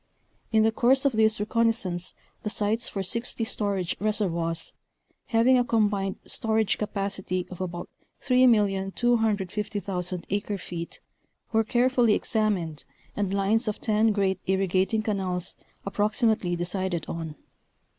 In the course of this reconnoisance the sites for sixty storage reservoirs, having a combined storage capacity of about 3,250,000 acre feet were carefully examined, and lines of ten great irrigating canals approximately decided on.